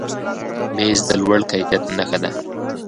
مېز د لوړ کیفیت نښه ده.